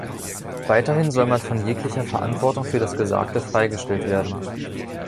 Weiterhin soll man von jeglicher Verantwortung für das Gesagte freigestellt werden.